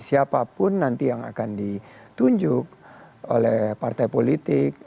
siapapun nanti yang akan ditunjuk oleh partai politik